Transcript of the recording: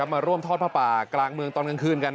มาร่วมทอดผ้าป่ากลางเมืองตอนกลางคืนกัน